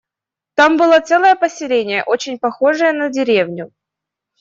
Там было целое поселение, очень похожее на деревню.